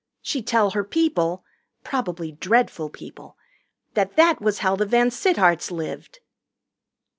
She'd tell her people probably dreadful people that that was how the VanSittarts lived.